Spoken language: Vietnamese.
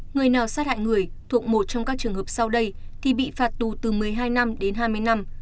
người nào sát hại người thuộc một trong các trường hợp sau đây thì bị phạt tù từ một mươi hai năm đến hai mươi năm